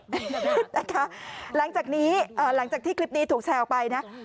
นะคะหลังจากนี้หลังจากที่คลิปนี้ถูกแชร์ออกไปนะ